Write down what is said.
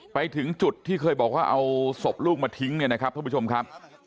ไปถึงจุดที่เคยบอกว่าเอาศพลูกมาทิ้งเนี่ยนะครับท่านผู้ชมครับ